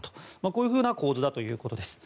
こういう構図だということです。